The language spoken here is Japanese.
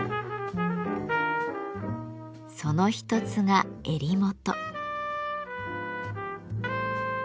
その一つが襟元。